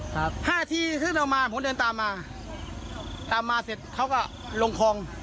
ครับ๕นาทีเขาเดินตามมาตามมาเสร็จเขาก็ลงคลอง